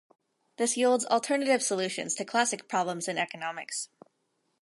This yields alternative solutions to classic problems in economics.